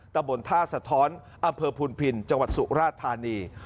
ตะบนท่าสะท้อนอำเภอพูนพินจังหวัดสุราธานี